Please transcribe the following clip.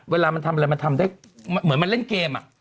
เวลามันทำอะไรมันทำได้เหมือนมันเล่นเกม